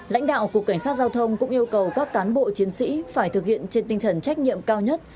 lãnh đạo cục cảnh sát giao thông cũng yêu cầu các cán bộ chiến sĩ phải thực hiện trên tinh thần trách nhiệm cao nhất